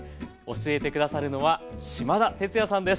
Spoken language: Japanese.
教えて下さるのは島田哲也さんです。